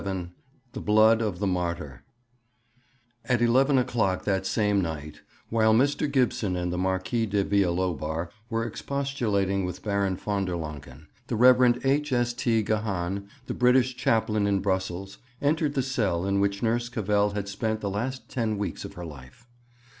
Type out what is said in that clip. VII THE BLOOD OF THE MARTYR At eleven o'clock that same night, while Mr. Gibson and the Marquis de Villalobar were expostulating with Baron von der Lancken, the Rev. H. S. T. Gahan, the British Chaplain in Brussels, entered the cell in which Nurse Cavell had spent the last ten weeks of her life.